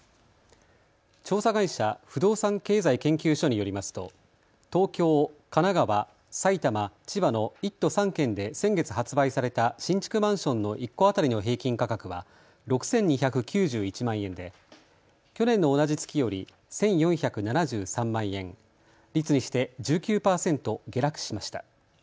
調査会社、不動産経済研究所によりますと東京、神奈川、埼玉、千葉の１都３県で先月発売された新築マンションの１戸当たりの平均価格は６２９１万円で去年の同じ月より１４７３万円、率にして１９％下落しました。